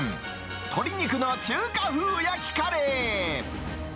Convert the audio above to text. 鶏肉の中華風焼きカレー。